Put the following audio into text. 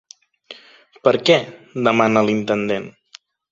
Per què? —demana l'intendent.